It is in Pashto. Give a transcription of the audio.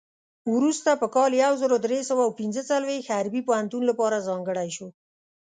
وروسته په کال یو زر درې سوه پنځه څلوېښت حربي پوهنتون لپاره ځانګړی شو.